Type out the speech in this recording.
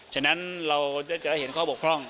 ฉะนั้นเราจะเห็นข้อบกพร่อง